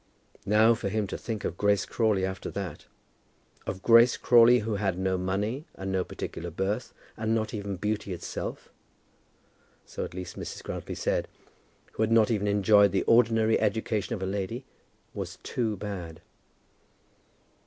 Now for him to think of Grace Crawley after that, of Grace Crawley who had no money, and no particular birth, and not even beauty itself, so at least Mrs. Grantly said, who had not even enjoyed the ordinary education of a lady, was too bad.